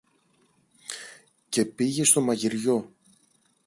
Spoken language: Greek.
και πήγε στο μαγειριό